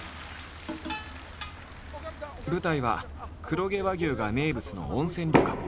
舞台は黒毛和牛が名物の温泉旅館。